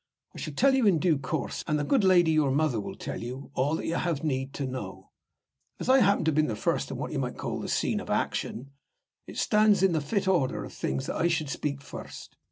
I shall tell you, in due course, and the good lady, your mother, will tell you, all that you have any need to know. As I happen to have been first on what you may call the scene of action, it stands in the fit order of things that I should speak first.